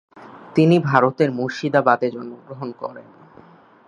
তিনি ভারতের মুর্শিদাবাদে জন্মগ্রহণ করেন।